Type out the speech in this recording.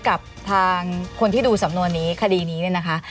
กับทางคนที่ดูสำนวนนี้คดีนี้เนี่ยนะคะ